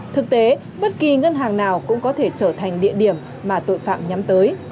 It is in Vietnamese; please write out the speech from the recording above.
thực tế bất kỳ ngân hàng nào cũng có thể trở thành địa điểm mà tội phạm nhắm tới